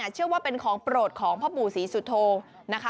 เชื่อว่าเป็นของโปรดของพ่อปู่ศรีสุโธนะคะ